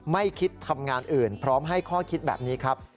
ไม่คิดทำงานอื่นพร้อมให้ข้อคิดแบบนี้ครับ